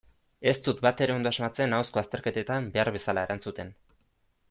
Ez dut batere ondo asmatzen ahozko azterketetan behar bezala erantzuten.